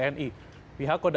kami tidak bisa menduga duga